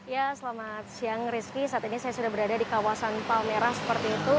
ya selamat siang rizky saat ini saya sudah berada di kawasan palmerah seperti itu